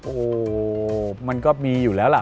โอ้โหมันก็มีอยู่แล้วล่ะ